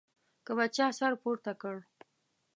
که به چا سر پورته کړ.